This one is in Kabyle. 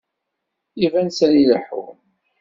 Iban sani leḥḥun.